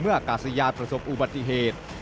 อากาศยานประสบอุบัติเหตุ